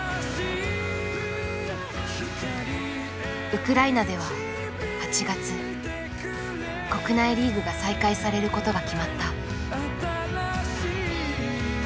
ウクライナでは８月国内リーグが再開されることが決まった。